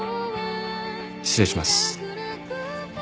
失礼します。